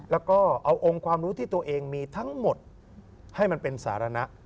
แล้วก็เอาองค์ความรู้ที่ตัวเองมีทั้งหมดให้มันเป็นสาระ